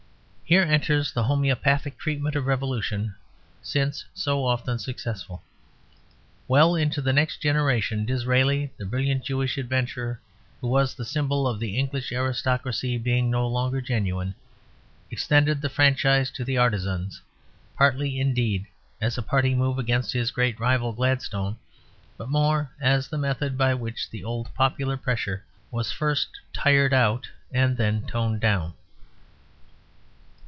Here enters the homoeopathic treatment of revolution, since so often successful. Well into the next generation Disraeli, the brilliant Jewish adventurer who was the symbol of the English aristocracy being no longer genuine, extended the franchise to the artisans, partly, indeed, as a party move against his great rival, Gladstone, but more as the method by which the old popular pressure was first tired out and then toned down.